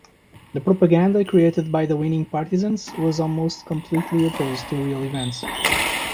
The propaganda created by the winning Partisans was almost completely opposed to real events.